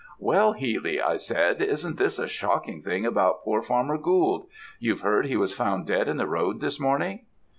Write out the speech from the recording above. "'Well, Healy,' I said, 'isn't this a shocking thing about poor Farmer Gould? You've heard he was found dead in the road this morning?'